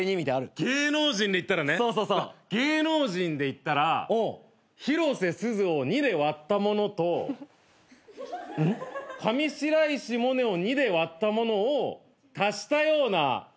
芸能人でいったらね芸能人でいったら広瀬すずを２で割ったものと上白石萌音を２で割ったものを足したような顔だな。